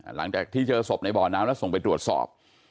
หลังจากที่เจอศพในบ่อน้ำแล้วส่งไปตรวจสอบ